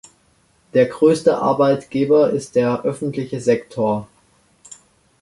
Der größte Arbeitgeber ist der öffentliche Sektor.